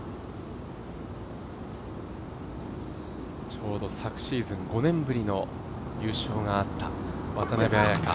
ちょうど昨シーズン、５年ぶりの優勝があった渡邉彩香。